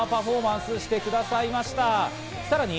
スタジオで生パフォーマンスしてくださいました。